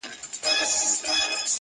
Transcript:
یو په یو مي د مرګي غېږ ته لېږلي،